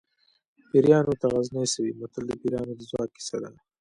پیریانو ته غزني څه وي متل د پیریانو د ځواک کیسه ده